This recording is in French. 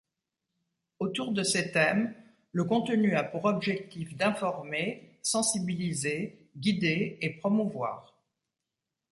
Autour de ces thèmes, le contenu a pour objectif d’informer, sensibiliser, guider et promouvoir.